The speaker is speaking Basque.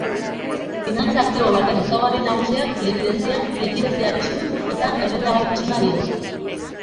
Finantza aktibo baten ezaugarri nagusiak likidezia, likidezia-arrisku eta errentagarritasuna dira.